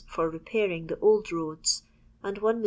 for repairing the old roads, and 1,250,000